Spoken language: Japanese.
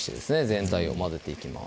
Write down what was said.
全体を混ぜていきます